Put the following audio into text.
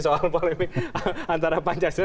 soal polemik antara pancasila